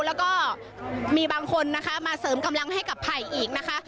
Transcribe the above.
แล้วก็มีบางคนนะคะมาเสริมกำลังให้กับไผ่อีกนะคะ